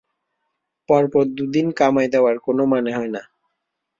পরপর দু দিন কামাই দেওয়ার কোনো মানে হয় না।